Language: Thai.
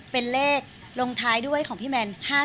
เป็นเลขลงท้ายด้วยของพี่แมน๕๗